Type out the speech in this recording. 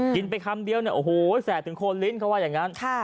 กินไปคำเดียวเนี่ยโอ้โหแสบถึงโคนลิ้นเขาว่าอย่างนั้น